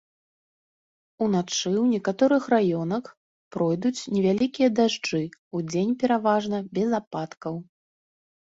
Уначы ў некаторых раёнах пройдуць невялікія дажджы, удзень пераважна без ападкаў.